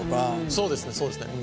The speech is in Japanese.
そうですねそうですね。